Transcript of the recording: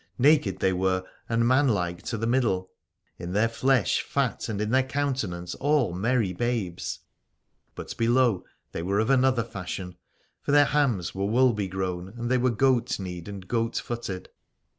Naked they were and manlike to the middle, — in their flesh fat and in their countenance all merry babes : but below they were of another fashion, for their hams were wool begrown and they were goat kneed and goat footed.